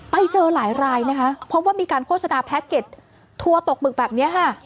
ไปเจอหลายนะครับเพราะว่ามีการโฆษณาแพคเก็ตทัวตกมึกแบบนี้